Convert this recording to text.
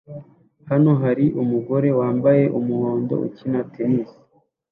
Hano hari umugore wambaye umuhondo ukina tennis